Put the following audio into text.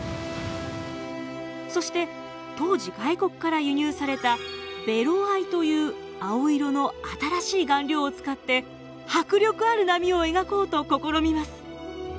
そして当時外国から輸入されたベロ藍という青色の新しい顔料を使って迫力ある波を描こうと試みます。